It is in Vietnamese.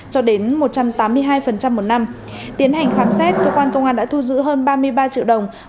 cho đến một trăm tám mươi hai một năm tiến hành khám xét cơ quan công an đã thu giữ hơn ba mươi ba triệu đồng